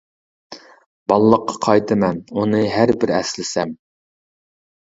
بالىلىققا قايتىمەن، ئۇنى ھەر بىر ئەسلىسەم.